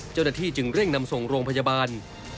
เจ้าหน้าที่จึงเร่งนำส่งโรงพยาบาล